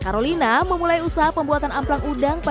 siska karolina memulai usaha pembuatan amplang udang kembali